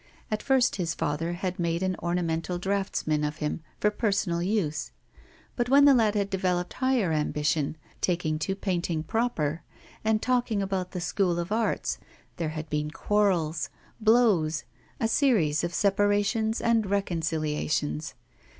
At first his father had made an ornamental draughtsman of him for personal use. But when the lad had developed higher ambition, taking to painting proper, and talking about the School of Arts, there had been quarrels, blows, a series of separations and reconciliations.